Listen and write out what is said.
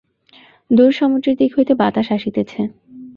দূর সমুদ্রের দিক হইতে বাতাস আসিতেছে।